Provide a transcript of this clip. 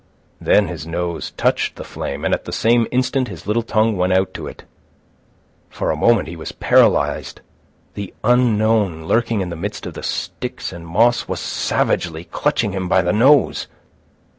Then his nose touched the flame, and at the same instant his little tongue went out to it. For a moment he was paralysed. The unknown, lurking in the midst of the sticks and moss, was savagely clutching him by the nose.